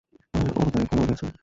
আর ও তাই ক্ষমাও চাচ্ছে।